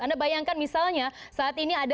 anda bayangkan misalnya saat ini ada lima ratus